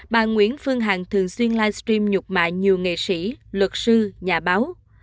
bà nguyễn phương hằng thường xuyên livestream nhục mạ nhiều nghệ sĩ luật sư nhà báo